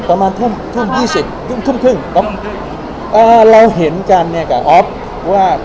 ประมาณทุ่มทุ่มยี่สิบทุ่มทุ่มครึ่งเอ่อเราเห็นกันเนี่ยกับอ๊อฟว่า